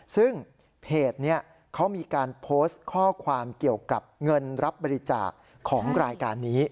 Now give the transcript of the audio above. ซึ่งเพจนี้เขามีการโพสต์ข้อความเกี่ยวกับเงินรับบริจาคของรายการนี้